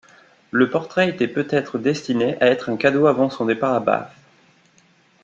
Le portrait était peut-être destiné à être un cadeau avant son départ à Bath.